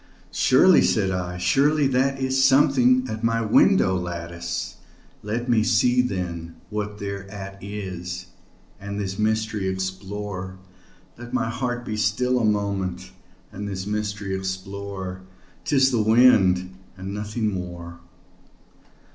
"Surely," said I, "surely that is something at my window lattice; Let me see, then, what thereat is, and this mystery explore Let my heart be still a moment, and this mystery explore; 'Tis the wind and nothing more."